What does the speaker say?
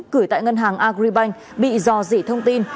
gửi tại ngân hàng agribank bị dò dỉ thông tin